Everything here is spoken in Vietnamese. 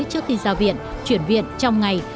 trước khi ra viện chuyển viện trong ngày